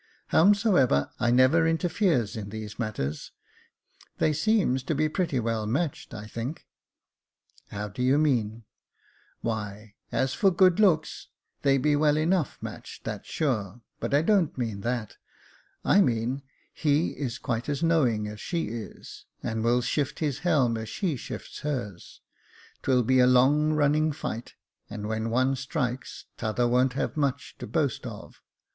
Howsomever, I never interferes in these matters j they seems to be pretty well matched, I think." " How do you mean ?"" Why, as for good looks, they be well enough matched, that's sure ; but I don't mean that, I mean, he is quite as knowing as she is, and will shift his helm as she shifts hers. 'Twill be a long running fight, and when one strikes, t'other wo' n't have much to boast of.